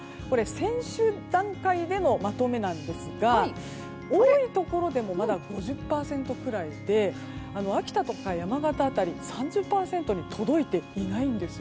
先週段階でのまとめなんですが多いところでもまだ５０％くらいで秋田とか山形辺りは３０％に届いていないんです。